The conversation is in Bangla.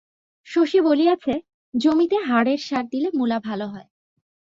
শশী বলিয়াছে, জমিতে হাড়ের সার দিলে মূলা ভালো হয়।